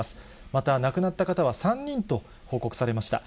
また亡くなった方は３人と報告されました。